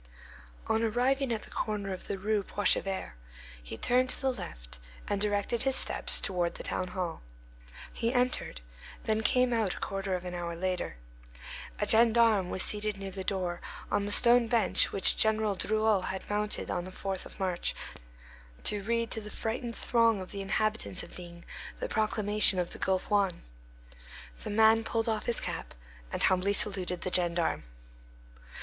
On arriving at the corner of the Rue Poichevert, he turned to the left, and directed his steps toward the town hall. He entered, then came out a quarter of an hour later. A gendarme was seated near the door, on the stone bench which General Drouot had mounted on the 4th of March to read to the frightened throng of the inhabitants of D—— the proclamation of the Gulf Juan. The man pulled off his cap and humbly saluted the gendarme.